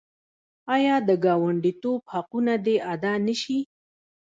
آیا د ګاونډیتوب حقونه دې ادا نشي؟